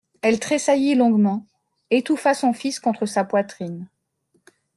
Elle tressaillit longuement, étouffa son fils contre sa poitrine.